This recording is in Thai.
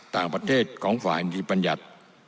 ต่างประเทศของฝาหังอินทรีย์ปัญหัส